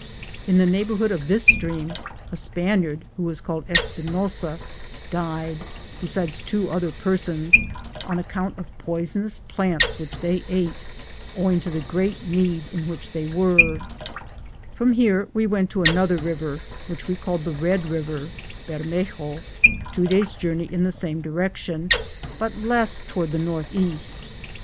In the neighborhood of this stream a Spaniard, who was called Espinosa, died, besides two other persons, on account of poisonous plants which they ate, owing to the great need in which they were, From here we went to another river, which we called the Bed river (Bennejo), two days' journey in the same direction, but less to ward the northeast.